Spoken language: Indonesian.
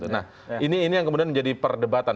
nah ini yang kemudian menjadi perdebatan